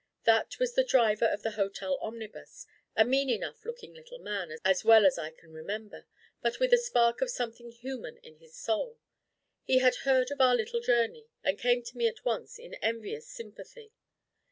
That was the driver of the hotel omnibus: a mean enough looking little man, as well as I can remember; but with a spark of something human in his soul. He had heard of our little journey, and came to me at once in envious sympathy.